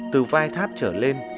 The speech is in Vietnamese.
từ vai tháp trở lên